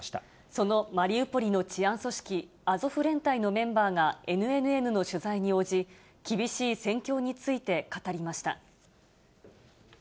そのマリウポリの治安組織、アゾフ連隊のメンバーが、ＮＮＮの取材に応じ、厳しい戦況について語りました。